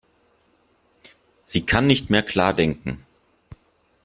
Sie kann nicht mehr klar denken.